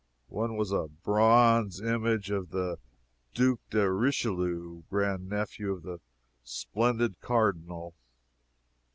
One was a bronze image of the Duc de Richelieu, grand nephew of the splendid Cardinal.